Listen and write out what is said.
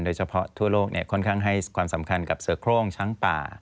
ทั่วโลกค่อนข้างให้ความสำคัญกับเสือโครงช้างป่า